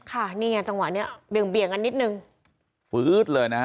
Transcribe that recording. ค่ะนี่ไงจังหวะเนี้ยเบี่ยงกันนิดนึงฟื๊ดเลยนะฮะ